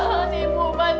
saya ingin bertemu